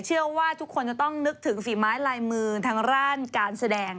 เชื่อว่าทุกคนจะต้องนึกถึงฝีไม้ลายมือทางด้านการแสดง